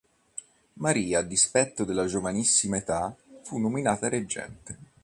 Maria, a dispetto della giovanissima età, fu nominata reggente.